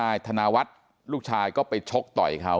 อ่าตีตีแล้วไงเขาล้มไปเลยหรือเปล่า